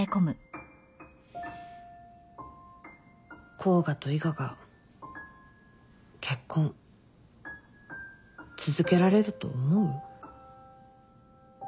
甲賀と伊賀が結婚続けられると思う？